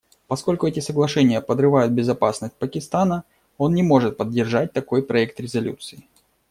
Поскольку эти соглашения подрывают безопасность Пакистана, он не может поддержать такой проект резолюции.